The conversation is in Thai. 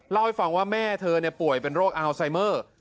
เล่าให้ฟังว่าแม่เธอป่วยเป็นโรคอัลไซเมอร์